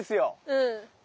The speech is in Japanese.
うん。